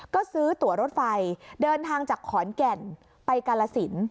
ก็ซื้อตัวรถไฟเดินทางจากขอนแก่นไปกาลสิน